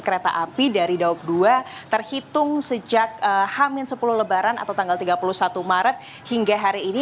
kereta api dari daob dua terhitung sejak hamil sepuluh lebaran atau tanggal tiga puluh satu maret hingga hari ini